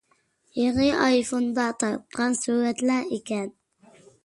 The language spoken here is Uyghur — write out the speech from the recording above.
يېڭى ئايفوندا تارتقان سۈرەتلەر ئىكەن.